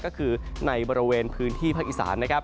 ก็คือในบริเวณพื้นที่ภาคอีสานนะครับ